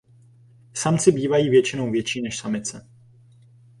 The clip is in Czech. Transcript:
Samci bývají většinou větší než samice.